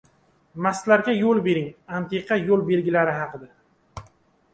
«Mastlarga yo‘l bering!» — antiqa yo‘l belgilari haqida